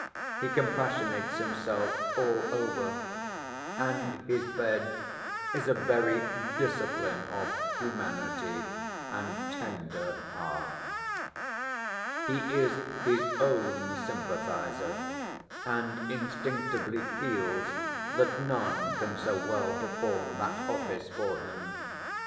He compassionates himself all over; and his bed is a very discipline of humanity, and tender heart. He is his own sympathiser; and instinctively feels that none can so well perform that office for him.